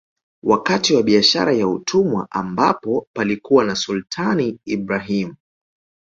Wakati wa Biashara ya Utumwa ambapo palikuwa na Sultani Ibrahim